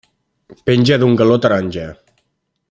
Penja d'un galó taronja.